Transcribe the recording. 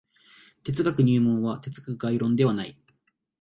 哲学入門は哲学概論ではない。